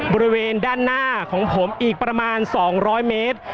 บริเวณด้านหน้าของผมอีกประมาณ๒๐๐เมตร